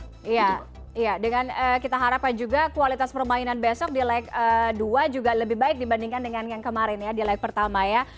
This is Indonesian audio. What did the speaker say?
iya dengan kita harapkan juga kualitas permainan besok di leg dua juga lebih baik dibandingkan dengan yang kemarin ya di lag pertama ya